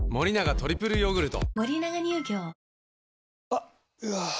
あっ、うわー。